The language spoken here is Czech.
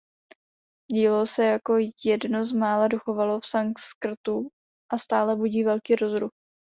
Dílo se jako jedno z mála dochovalo v sanskrtu a stále budí velký rozruch.